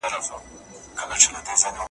پر ټول ښار باندي تیاره د شپې خپره وه ,